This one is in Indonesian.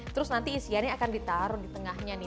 terus nanti isiannya akan ditaruh di tengahnya nih